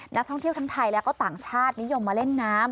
นักท่องเที่ยวทั้งไทยและก็ต่างชาตินิยมมาเล่นน้ำ